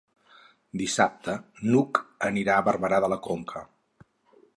Dissabte n'Hug anirà a Barberà de la Conca.